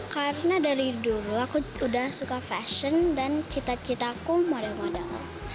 karena dari dulu aku sudah suka fashion dan cita citaku model model